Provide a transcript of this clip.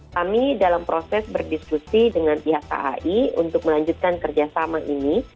kami dalam proses berdiskusi dengan pihak kai untuk melanjutkan kerjasama ini